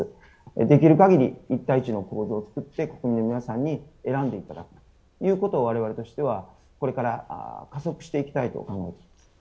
できるかぎり、一対一の構図を作って国民の皆さんに選んでいただくということをわれわれとしては、これから加速していきたいと考えています。